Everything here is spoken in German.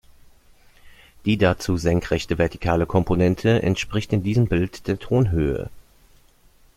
Die dazu senkrechte "vertikale" Komponente entspricht in diesem Bild der Tonhöhe.